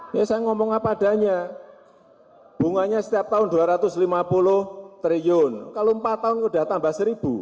ini saya ngomong apa adanya bunganya setiap tahun dua ratus lima puluh triliun kalau empat tahun sudah tambah seribu